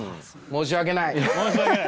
申し訳ないです。